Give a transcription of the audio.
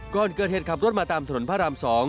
ก่อนเกิดเหตุขับรถมาตามถนนพระราม๒